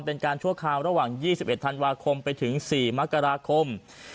ชั่วคราวระหว่าง๒๑ธันวาคมไปถึง๔มกราคม